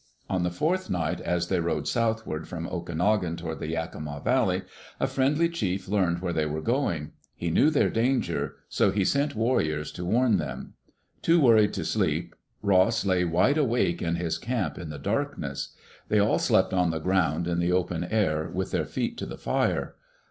On the fourth night, as they rode southward from Okanogan toward the Yakima Valley, a friendly chief learned where they were going. He knew their danger, so he sent warriors to warn them. Too worried to sleep, Ross lay wide awake in his camp ^, Digitized by VjOOQ LC EARLY DAYS IN OLD OREGON in the darkness. They all slept on the ground in the open air, with their feet to the fire.